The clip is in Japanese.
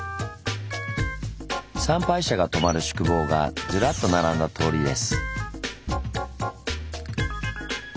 参拝者が泊まる宿坊がずらっと並んだ通りです。